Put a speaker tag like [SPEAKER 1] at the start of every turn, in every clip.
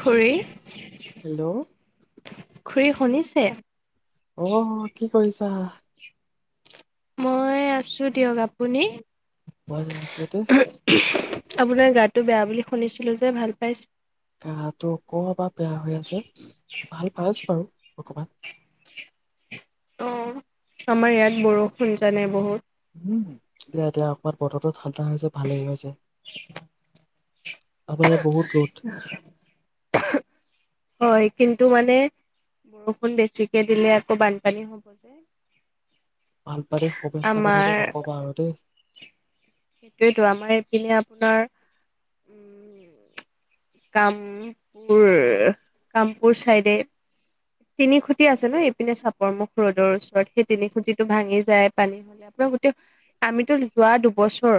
[SPEAKER 1] খুৰী
[SPEAKER 2] হেল্ল'
[SPEAKER 1] খুৰী শুনিছে হে
[SPEAKER 2] অ কি কৰিছে ছা
[SPEAKER 1] মই আছো দিয়ক আপুনি
[SPEAKER 2] মই আছোটো
[SPEAKER 1] আপোনাৰ গাটো বেয়া বুলি শুনিছিলো যে ভাল পাইছে?
[SPEAKER 2] গাটো অক বা বেয়া হৈ আছে ভাল পাইছো বাৰু অকমান
[SPEAKER 1] অ আমাৰ ইয়াত বৰষুণ জানাই বহুত।
[SPEAKER 2] উম এতিয়া এতিয়া অকনমান বতৰটো ঠাণ্ডা হৈছে ভালে হৈছে আমাৰ ইয়াত বহুত ৰদ।
[SPEAKER 1] হয় কিন্তু মানে বৰষুণ বেছিকে দিলে আকৌ বানপানী হ'ব যে।
[SPEAKER 2] ভাল পাই দে শুভেচ্ছা কথা যে
[SPEAKER 1] আমাৰ
[SPEAKER 2] নকবা আৰু দেই
[SPEAKER 1] সেইটোয়েতো আমাৰ এইপিনে আপোনাৰ উম কামপুৰ কামপুৰ চাইডে তিনি খুটি আছে ন ইপিনে চাপৰ মুুখ ৰ'দৰ ওচৰত সেই তিনি খুটিটো ভাঙি যায় পানী হলে আপোনাৰ গোতেই আমিতো যোৱা দুবছৰ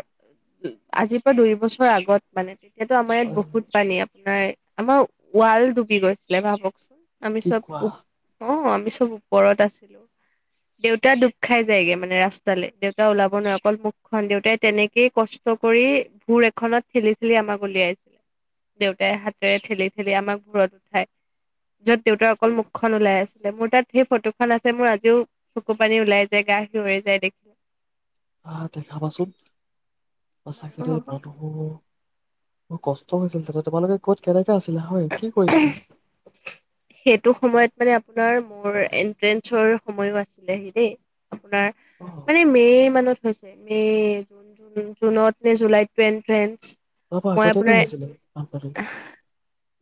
[SPEAKER 1] আজিৰ পৰা দুই বছৰ আগত মানে এতিয়া টো আমাৰ ইয়াত
[SPEAKER 2] অ'
[SPEAKER 1] বহুত আপোনাৰ আমাৰ ৱাল ডুবি গৈছিলে ভাবকচোন আমি
[SPEAKER 2] কি
[SPEAKER 1] চব
[SPEAKER 2] কোৱা
[SPEAKER 1] অ আমি চব ওপৰত আছিলো দেউতা দুব খাই যায়গে মানে ৰাস্তালৈ দেউতা ওলাব নোৱাৰে অকল মুখখন দেউতাই তেনেকেই কষ্ট কৰি ভোৰ এখনত ঠেলি ঠেলি আমাক উলিয়াইছিলে দেউতাই হাতেৰে ঠেলি ঠেলি আমাক ভৰত উঠাই যত দেউতাৰ অকল মুখখন ওলাই আছিলে মোৰ তাত সেই ফটোখন আছে মোৰ আজিও চকু পানী ওলাই যায় গা শিয়ৰি যায় দেখিলে
[SPEAKER 2] আহ দেখাবাচোন
[SPEAKER 1] বাৰু
[SPEAKER 2] সচাকে দেই
[SPEAKER 1] হ'ব
[SPEAKER 2] মানুহৰ ব কষ্ট হৈছিল ত তোমালোকে ক'ত কেনে
[SPEAKER 1] সেইটো সময়ত মানে আপোনাৰ মোৰ এ ট্ৰেন্ঞ্চৰ সময়ো আছিলেহি দেই আপোনাৰ
[SPEAKER 2] অ'
[SPEAKER 1] মানে মে মানত মে জ জুনত নে জুলাইত টেণ্ডন টেষ্ট
[SPEAKER 2] যোৱাবাৰ আগতীয়াকে হৈছিলে। বানপানী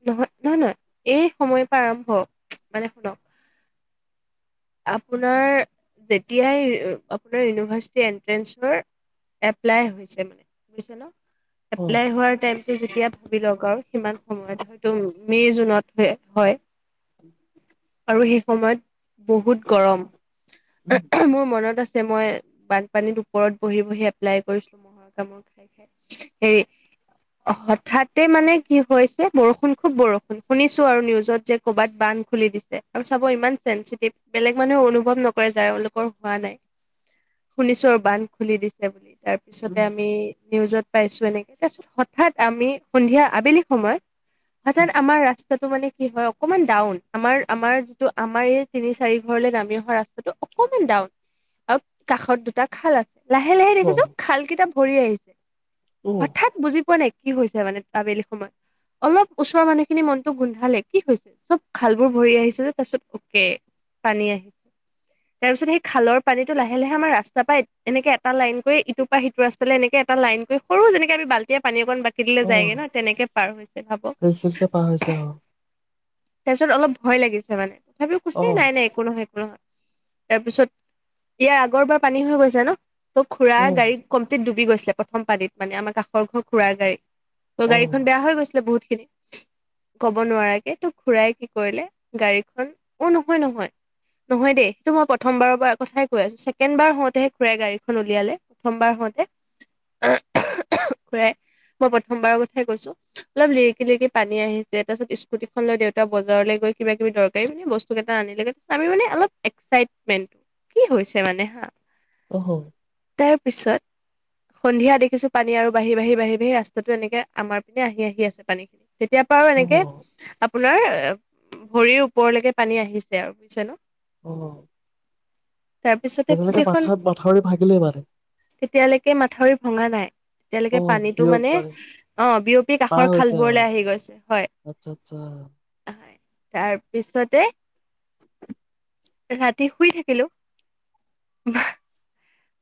[SPEAKER 1] নহয় নহয় নহয় এই সময়ৰ পৰা আৰম্ভ মানে শুনক আপোনাৰ যেতিয়াই আপোনাৰ ইউনিভাৰ্চিটি এনট্ৰেঞ্চৰ এপ্লাই হৈছে মানে বুজিছে ন
[SPEAKER 2] অ'
[SPEAKER 1] এপ্লাই হোৱাৰ টাইম। ত যেতিয়া ভাব লও আৰু সিমান সময়ত হয়তো মে জুনত হয় আৰু সেই সময়ত বহুত গৰম
[SPEAKER 2] উম
[SPEAKER 1] মোৰ মনত আছে মই বানপানীত ওপৰত বহি বহি এপ্লাই কৰিছিলো ম'হৰ কামোোৰ খাই খাই হেৰি হঠাৎ তাতে মানে কি হৈছে বৰষুণ খুব বৰষুণ শুনিছো আৰু নিউজত যে ক'ৰবাত বান্ধ খুলি দিছে আৰু চাব ইমান চেঞ্চিটিভ বেলেগ মানুহে অনুভৱ নকৰে যলোকৰ হোৱা নাই শুনিছো আৰু বান্ধ খুলি দিছে বুলি তাৰপিছতে
[SPEAKER 2] উম
[SPEAKER 1] আমি নিউজত পাইছো এনেকে তাৰপিছত হঠাৎ আমি। সন্ধিয়া আবেলি সময়ত হঠাৎ
[SPEAKER 2] উম
[SPEAKER 1] আমাৰ ৰাস্তাটো মানে কি হয় অকমান ডাউন আমাৰ আমাৰ যিটো আমাৰ এই তিনি চাৰি ঘৰলে নামি অহা ৰাস্তাটো অকমান ডাউন অ কাষত দুটা খাল আছে লাহে লাহে দেখিছো
[SPEAKER 2] অ'
[SPEAKER 1] খাল কিতা পৰি আহিছে
[SPEAKER 2] অ'
[SPEAKER 1] হঠাৎ বুজি পোৱা নেকি কি হৈছে মানে? আবেলি সময়ত অলপ ওচৰৰ মানুহ খিনি মনতটো গোন্ধালে কি হৈছে চব খাল বোৰ ভৰি আহিছে যে তাৰপিছত অকে পানী আহিছে তাৰ পিছত সেই খালৰ পানীটো লাহে লাহে আমাৰ ৰাস্তা পৰা এনেকে এটা লাইন কৰি ইটোৰ পৰা সিটো ৰাস্তালৈ এনেকে এটা লাইন কৰি সৰু যেনেকে আমি বাল্টিয় পানী অকন কিতিলৈ যায়গে
[SPEAKER 2] অ'
[SPEAKER 1] না পাৰ হৈছে ভাব।
[SPEAKER 2] চিলচিলকে পাৰ হৈছে আৰু
[SPEAKER 1] তাৰপিছত অলপ ভয় লাগিছে মানে। তথাপিও হৈছে
[SPEAKER 2] অ'
[SPEAKER 1] নাই নাই একো নহয়। নয় তাৰ পিছত ইয়াৰ আগৰপৰা পানী হৈ গৈছে ন ত' খুৰা
[SPEAKER 2] অ
[SPEAKER 1] গাড়ী কমতি ডুব। গৈছিলে প্ৰথমানী মানে আমাৰ কষৰ ঘৰ খুৰৰাৰ গাড়ীত। ত
[SPEAKER 2] অ
[SPEAKER 1] গাড়ীখন বেয়া হৈ গৈছিল বহুত। ক'ব নোৱাৰাকে তোক। খুৰাই কি কৰিলে গাড়ীখন অ নহয় নহয় নহয় দেই সেইটো মই প্ৰথমবাৰৰ কথাই কৈ আছো ছেকেণ্ড বাৰ হওঁতেহে খুৰাই গাড়ীখন উলিয়ালে প্ৰথমবাৰ হওঁতে খুৰাই মই প্ৰথমবাৰৰ কথাই কৈছো অলপ লিৰিকি লিৰিকি পানী আহিছে তাৰপিছত স্কুটিখন লৈ দেত এ বজাৰলৈ গৈ কিবা কিবি দৰকাৰী মানে বস্তু কেইটা আনিলেত আমি মানে অলপ এক্সাইটমেণ্ট কি হৈছে মানে হা
[SPEAKER 2] অ
[SPEAKER 1] তাৰ পিছত। সন্ধিয়া দেখিছো পানী আৰু বাঢ়ি বাঢ়ি বাঢ়ি বাঢ়ি ৰাস্তাাতটো এনেকে আমাৰ পিনে আহি আহি আছে পানী খিনি তেতিয়াৰ পৰা আৰু
[SPEAKER 2] অ
[SPEAKER 1] এনেকে ৰ ভৰিৰ ওপৰলৈকে পানী আহিছে আৰু বুজিছে ন
[SPEAKER 2] অ
[SPEAKER 1] তাৰপিছতে
[SPEAKER 2] তেতিয়ালৈকে মাথা
[SPEAKER 1] গোটেইখন
[SPEAKER 2] মাথাউৰি ভাগিলেই মানে
[SPEAKER 1] তেতিয়ালৈকে মাথাউৰি ভঙা নাই
[SPEAKER 2] অ
[SPEAKER 1] তেতিয়ালৈকে পানীটো
[SPEAKER 2] বিয়গ
[SPEAKER 1] মানে আহ বিয়পি
[SPEAKER 2] পাৰ
[SPEAKER 1] কাষৰ
[SPEAKER 2] হৈছে আৰু
[SPEAKER 1] খালবোৰলৈ আহি গৈছে হয়।
[SPEAKER 2] আচ্ছা আচ্ছা
[SPEAKER 1] তাৰ পিছতে। ৰাতি শুই থাকিলো বা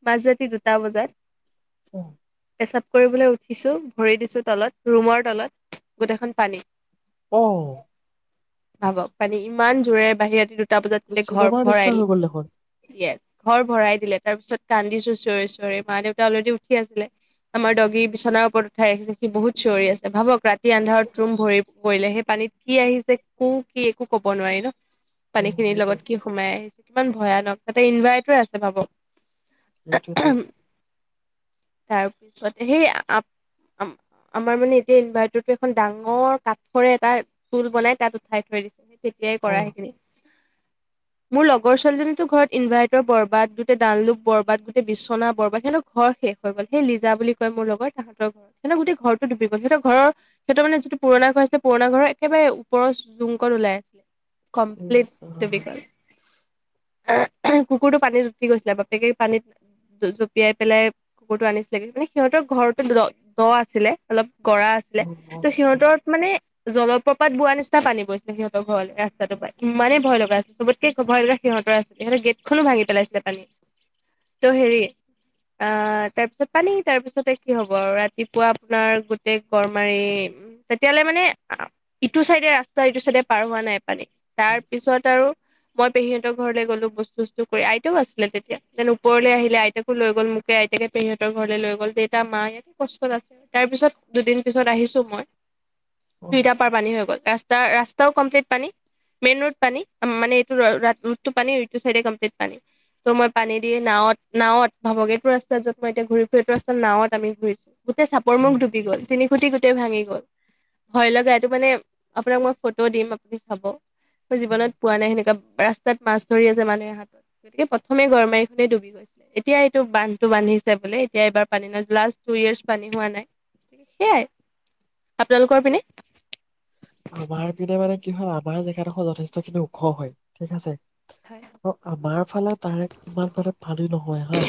[SPEAKER 1] মাজ ৰাতি দুটা বজাত এচাপ কৰিবলৈ উঠিছো ভৰি দিছো তলত ৰুমৰ তলত গোটেইখন পানী
[SPEAKER 2] অহ
[SPEAKER 1] ভাবক পানী ইমান জোৰেৰে বাহিৰৰা ৰাতি। টা বজাত তেতে ঘৰ
[SPEAKER 2] চিনেমাৰ নিচিনা
[SPEAKER 1] ভৰাইল
[SPEAKER 2] হৈ গ'ল দেখোন
[SPEAKER 1] ইয়েচ। ঘৰ ভৰাই দিলে তাৰপিছত। কান্দিছো চঞৰি চিঞৰি মা দেউতা অলৰেডি উঠি আছিলে আমাৰ দগী বিচনাৰ ওপৰত উঠাই ৰাখিছে সি বহুত চিঞৰি আছে ভাবক ৰাতি আন্ধাৰত ৰুম ভৰি পৰিলে সেই পানীত কি আহিছে কো কি একো কব নোৱাৰি ন
[SPEAKER 2] অ
[SPEAKER 1] পানী খিনিৰ
[SPEAKER 2] সেইটোৱে
[SPEAKER 1] লগত কি সোমাই আহিছে কিমান ভয়ানক তাতে ইনভাৰ্টাৰ আছে পাব।
[SPEAKER 2] সেইটোৱেইতো
[SPEAKER 1] তাৰপিছত সেই আমাৰ মানে এতিয়া ইনভাৰ্টাৰটো এখন ডাঙৰ কাঠৰে এটা তুল বনাই তাত উঠাই থৈ দিছে তেতিয়াই
[SPEAKER 2] অ
[SPEAKER 1] কৰা সেইখিনি মোৰ লগৰ ছোৱালীজনী ঘৰত ইনভাৰ্টৰ বৰবাদ গোটেই ডাললোক। বৰবাদ গোটেই বিচছনা বৰবাত সিহঁতৰ ঘৰ শেষ হৈ গ'ল সেই লিজা কয় মোৰ লগ তাহাঁৰ ঘৰত সিহঁত গোটেই ঘৰটো ডুবি গ'ল সিহঁৰ ঘৰ সিহঁতৰ মানেিটো পুৰণা ঘৰ আছিল পুৰণা ঘৰৰ একেবাৰে ওৰৰ জুংকত ওলাই আছিল।
[SPEAKER 2] ইচ
[SPEAKER 1] কমপ্লিটিক।
[SPEAKER 2] ৰাম
[SPEAKER 1] অ কুকুৰটো পানীত উঠি গৈছিলে। বাপ গক পানীত জপিয়াই পেলাই কুকুৰটো আনিছিলেগ মানে সিহঁতৰ ঘৰতে দ দ আছিলে। অলপ কৰা আছিলে।
[SPEAKER 2] অ অ
[SPEAKER 1] ত'
[SPEAKER 2] অ
[SPEAKER 1] সিহঁতৰ মানে জলপ্ৰপাত বোৱাৰ নিচনা পানী পৰিছিলে। সিহঁতৰ ঘৰ ৰাস্তাটো পৰা ইমানেই ভয় লগা আছিল চবতকে ভয় লগা সিহতৰ আছিলে। সহঁতে গেটখনো ভাঙি পেলাইছিলে পানী ত' হেৰি অ তাৰপিছত পানী তাৰ পিছতে। কি হব আৰু ৰাতিপুৱা আপোনাৰ গোতেই গড় মাৰি উ তেতিয়াহলে মানে ইটো চাইডে ৰাস্তা ইটো চাইডে পাৰ হোৱা নাই। পানী তাৰ পিছত আৰু। মই পেহীহতৰ ঘৰলৈ গ'লো বস্তু চস্ত কৰি আইতেও আছিলে। তেতিয়া যেন ওপৰলৈ আহিলে। আইতাকো লৈ গ'ল মোকে আইতাকে পেৰীহঁতৰ ঘৰলৈ লৈ গল দেউতা মা ইয়াত কষ্টত আছে। তাৰ পিছত দুদিন পিছত আহিছো। মই
[SPEAKER 2] অ
[SPEAKER 1] দুইটা পাৰ পানী হৈ গ'ল তাৰ ত ৰাস্তাও কমপ্লিট পানী। মেইন ৰোড পানী মানে এইটো ৰডটো পানী এই চাইডে কোমপ্লিট পানী। ত' মই পানী দি নাৱত নাৱত ভাবক এইটো ৰাস্ত যত মই এতিয়া ঘূৰিছো। সেইটো ৰাস্তা নওত আমি ঘূৰিছো। গোট চাপৰ মুখ
[SPEAKER 2] উম
[SPEAKER 1] ডুবি গল তিনি খুটি গোটেই ভাঙি। ভয় লগা এইটো মানে আপোনাক মই ফটো দিম আপুনি চাব। মই
[SPEAKER 2] উম
[SPEAKER 1] জীৱনত পোৱা নাই সেনেকা। ৰাস্তাত মাছ ধৰি আছে। মানুহে হাতত গতিকে প্ৰথমে গৰমাৰিখনেই ডুবি গৈছিলে। এতিয়া এইটো বান্ধটো বান্ধিছে বোলে। এতিয়া এইবাৰ পানী নাই লাষ্ট টু ইয়াৰ্চ পানী হোৱা নাই সেইয়াই আপোনালোকৰ পিনে
[SPEAKER 2] আমাৰ পিনে মানে কি হয় আমাৰ জেগাডোখৰ যথেষ্টখিনি ওখ হয় ঠিক আছে।
[SPEAKER 1] হয়
[SPEAKER 2] আৰু আমাৰ ফালে তাৰে ইমান মানে পানী নহয়। হা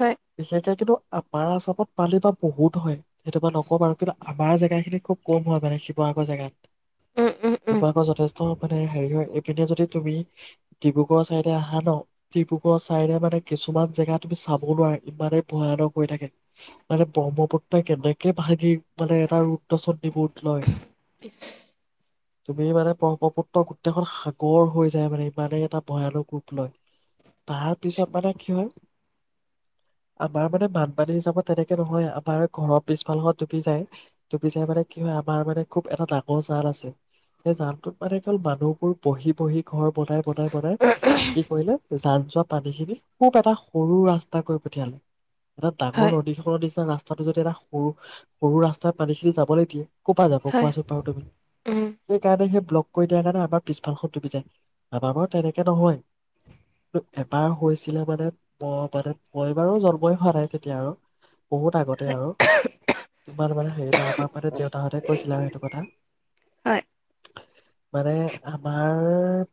[SPEAKER 1] হয়
[SPEAKER 2] বিশেষকে কিন্তু আপাৰ আছামত পানি বা বহুত হয়। সেইটোই নকওঁ ব আৰু কিন্তু আমাৰ জেগা খিনি খুব কম হয়। মানে জেগাত
[SPEAKER 1] উম, উম, উম,
[SPEAKER 2] তিবাৰাকৰ যথেষ্ট মানে হেৰি হয়। এইপিনে যদি তুমি ডিব্ৰুগড়ৰ চাইডে আহা ন ডিব্ৰুগড়ৰ চাইডে মানে কিছুমান জেগা তুমি চাব নোৱাৰা ইমানে ভয়ানক হৈ থাকে। মানে ব্ৰহ্মপুত্ৰই কেনেকে ভাগি মানে এটা ৰুদ্ৰ চুড্ৰী ৰূপ লয়।
[SPEAKER 1] এক [unintelligible]
[SPEAKER 2] তুমি মানে ব্ৰহ্মপুত্ৰ গোটেইখন সাগৰ হৈ যায়। মানে ইমানেই এটা ভয়ানক ৰূপ লয়। তাৰ পিছত মানে কি হয়। আমাৰ মানে বানপানী হিচাপত তেনেকে নহয় আমাৰ ঘৰৰ পিছফালখন ডুবি যায় দুপি যাই মানে কি হয়। আমাৰ মানে খুব এটা ডাঙৰ জাল আছে। সেই জান ত মানে কেল মানুহবোৰ বহি বহি ঘৰ বনাই বনাই বনাই কি কৰিলে। জান জোৱা পানী খিনি খুব এটা সৰু ৰাস্তা কৰি পঠিয়ালে। এটা ডাঙৰ
[SPEAKER 1] হয়,
[SPEAKER 2] নদী খন নিচিনা ৰাস্তা। ৰাস্তটো যদি এটা সৰু সৰু ৰাস্তাই পানী খিনি যাবলৈ দিয়ে ক'ৰ পৰা যায়। কোৱাছো
[SPEAKER 1] হয়,
[SPEAKER 2] বাৰো তুমি,
[SPEAKER 1] উম,
[SPEAKER 2] সেইকাৰণে সেই ব্লক কৰি দিয়া। কাৰণে আমাৰ পিছফাল খন ডুবি যায় আমাৰ বাৰু তেনেকে নহয়। কি এবাৰ হৈছিলে। মানে ম মানে মই বাৰো জন্মই হোৱা নাই তেতিয়া আৰু বহুত আগতে আৰু ইমান মানে হেৰি তা আমাৰ মানে দেউতাহঁতে কৈছিলে। আৰু টো কথা
[SPEAKER 1] হয়,
[SPEAKER 2] মানে আমাৰ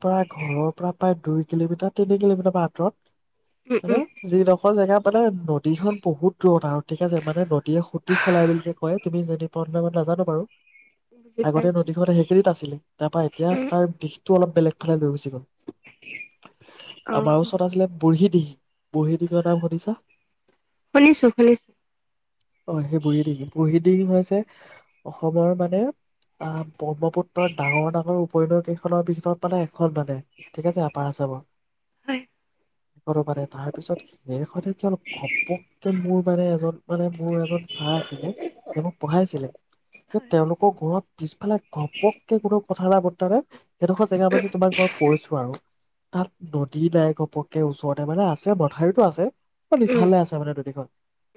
[SPEAKER 2] পৰা ঘৰৰ পৰা প্ৰায় দুই কিলোমিটাৰ তিনি কিলোমিটাৰ মান
[SPEAKER 1] উম,
[SPEAKER 2] আতৰত। হে
[SPEAKER 1] উম,
[SPEAKER 2] যি এখন জেগা মানে নদীখন বহুত ৰ'দ আৰু ঠিক আছে। মানে নদীয়ে সুতি সলাই বুলি যে কয়। তুমি যে পালে মই নাজানো বাৰু
[SPEAKER 1] বুজি
[SPEAKER 2] আগতে
[SPEAKER 1] পাইছোঁ,
[SPEAKER 2] নদীখন সেইখিনিত আছিলে। তাৰ পৰাা এতিয়া
[SPEAKER 1] উম,
[SPEAKER 2] তাৰ দিশটো অলপ বেলেগ ফালে লৈ গুচি গল আমাৰ
[SPEAKER 1] অ',
[SPEAKER 2] ওচৰত আছিলে। বুঢ়ী দিহিং বুঢ়ী দিহিংৰ নাম শুনিচা।
[SPEAKER 1] শুনিছোঁ, শুনিছোঁ,
[SPEAKER 2] অ সেই বুঢ়ী দিহিং বুঢ়ী দিহিং হৈছে। অসমৰ মানে। ম অহ ব্ৰহ্মপুত্ৰৰ ডাঙৰ ডাঙৰ উপনদী খনৰ ভিতৰত মানে এখন মানে ঠিক আছে। আপাৰ আছামৰ
[SPEAKER 1] হয়,
[SPEAKER 2] সেইখনো মানে তাৰ পিছত সেইখন একে ঘপককে মোৰ মানে এজন মানে মোৰ এজন ছাৰ আছিলে সি মোক পঢ়াই আছিলে। তেওঁলোকৰ ঘৰত পিছফালে ঘপককে কোনো কথা নাই বতৰা নাই সেইডোখৰ জেগা মানে তোমাক মই কৈছো। আৰু তাত নদী নাই ঘপককে ওচৰতে মানে আছে। মথাউৰিতো আছে।
[SPEAKER 1] উম,
[SPEAKER 2] ইফালে আছে মানে নদীখন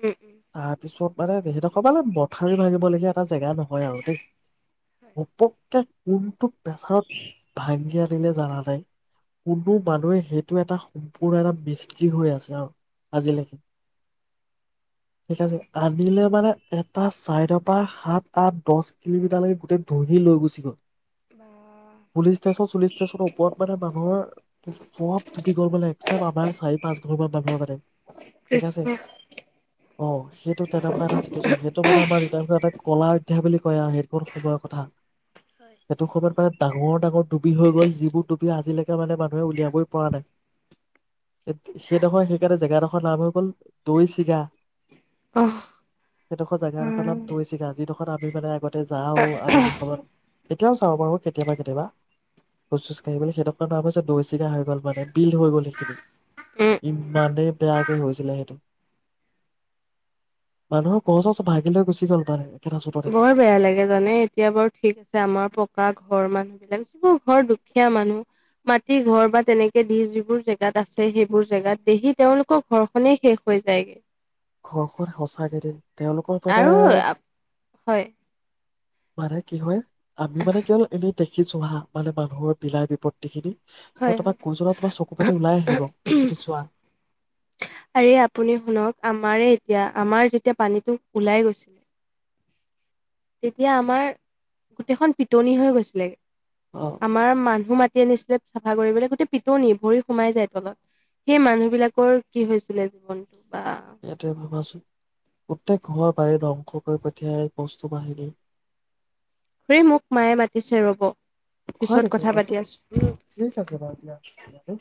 [SPEAKER 1] উম, উম,
[SPEAKER 2] তাৰপিছত মানে সডখৰ মানে মথাউৰি ভাঙিবলগীয়া এটা জেগা নহয়। হয় আৰু দেই উপক্কে কোনটো প্ৰেছাৰত ভাঙি আনিলে জানা নাই কোনো মানুহে সেইটো এটা সম্পূৰ্ণ এটা মিস্তি হৈ আছে আৰু আজিলৈকে ঠিক আছে আনিলে মানে এটা চাইডৰ পৰা হাত আঠ দচ কিলোমিটাৰলৈকে গোটেই ধহি লৈ গুচি গল
[SPEAKER 1] বা
[SPEAKER 2] পুলিচ ষ্টেচন চুলিচ ষ্টেচনৰ ওপৰত মানে মানুহৰ চব ধুপি গল মানে এক্সেপ আমাৰ চাৰি পাঁচ ঘৰান মানুহৰ মানে ঠিক আছে
[SPEAKER 1] কৃষ্ণ
[SPEAKER 2] অ সেইটো তেনেকুৱা এটা চিটুৱেচন সেইটো মানে আমাৰ এ এটা কলাৰ তি বুলি কয় আৰু সেইটো সময়ৰ কথা সেইটো সময়ত মানে ডাঙৰ ডাঙৰ ডুবি হৈ গল যিবোৰ ডুবি আজিলৈকে মানে মানুহে উলিয়াবই পৰা নাই সেইডোখৰ সেইকাৰণে জেগাডোখৰ নাম হৈ গল দৈ চিগা
[SPEAKER 1] অহ,
[SPEAKER 2] সেইডোখৰ জেগাডোখৰ নাম
[SPEAKER 1] উম,
[SPEAKER 2] দৈ চিগা চিগা আমি মানে আগতে যাও আবেলিখনত এতিয়াও জানো বাৰু কেতিয়াবা কেতিয়াবা খোজ চোজ কাঢ়িব সেই নাম হৈছে দৈ চিঙা হৈ গল মানে বিল হৈ গল সেইখিনি
[SPEAKER 1] উম, উম।
[SPEAKER 2] ইমানেই বেয়াকে হৈছিলে সেইটো মানুহৰ ঘৰ‌‌ চৰ ভাগি লৈ গুচি গ'ল মানে একেটা চুটতে।
[SPEAKER 1] বৰ বেয়া লাগে জানে এতিয়া বৰ ঠিক আছে আমাৰ পকা ঘৰ মানুহ বিলাক যিবোৰ ঘৰ দুখীয়া মানুহ মাটি ঘৰ বা তেনেকে দি যিবোৰ জেগাত আছে সেইবোৰ জেগাত দেহি তেওঁলোকৰ ঘৰখনেই শেষ হৈ যায়গৈ
[SPEAKER 2] ঘৰখন সঁচাকেদে
[SPEAKER 1] আৰু হয়
[SPEAKER 2] মানে কি হয় আমি মানে কেৱল এনেই দেখিছো হা মানে মানুহৰ বিলাই বিপত্তি খিনি
[SPEAKER 1] হয়,
[SPEAKER 2] মই
[SPEAKER 1] হয়।
[SPEAKER 2] তোমাক কৈ যায় তোমাৰ চকু পাতি ওলাই আহিব তুমি যদি চোৱা
[SPEAKER 1] আৰে আপুনি শুনক আমাৰে এতিয়া আমাৰ যেতিয়া পানীটো ওলাই গৈছিলে তেতিয়া আমাৰ গোটেইখন পিটনি হৈ গৈছিলেে
[SPEAKER 2] অ
[SPEAKER 1] আমাৰ মানুহ মা গোট নিচেপ চাফা কৰিবলৈ গোটেই পিটনী ভৰি সোমাই যায় তলত সেই মানুহ বিলাকৰ কি হৈছিলে জীৱন
[SPEAKER 2] সেইটোৱে ভাবাচোন প্ৰত্যেক ঘৰৰ বাৰীত ধ্বংস কৰি পঠিয়াই বস্তু বাহিনী
[SPEAKER 1] হুৰি মোক মায়ে মাতিছে ৰব
[SPEAKER 2] হয়
[SPEAKER 1] পিছত
[SPEAKER 2] নেকি
[SPEAKER 1] কথা
[SPEAKER 2] বাৰু
[SPEAKER 1] পাতি আছোঁ
[SPEAKER 2] থিক আছে দিয়া